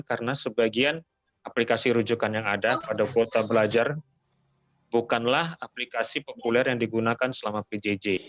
karena sebagian aplikasi rujukan yang ada pada kuota belajar bukanlah aplikasi populer yang digunakan selama pjj